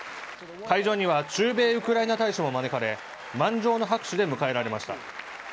会場には駐米ウクライナ大使も招かれ、満場の拍手で迎えられました。